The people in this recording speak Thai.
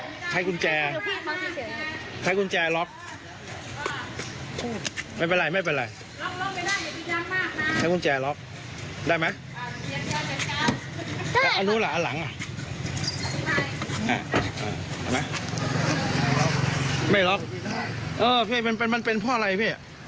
มันแน่นอนเลยใช่ไหมครับ